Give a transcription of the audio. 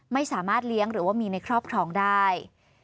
ไม่สามารถเลี้ยงหรือว่ามีในครอบครองได้